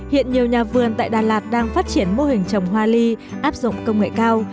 hiện nhiều nhà vườn tại đà lạt đang phát triển mô hình trồng hoa ly áp dụng công nghệ cao